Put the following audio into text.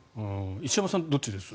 石山さんどっちです？